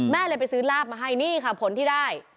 แม่เลยไปซื้อลาบมาให้นี่ค่ะผลที่ได้